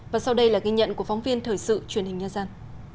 và sau đây là ghi nhận của phóng viên thời sự truyền hình nhân dân